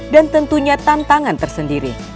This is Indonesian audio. dan tentunya tantangan tersendiri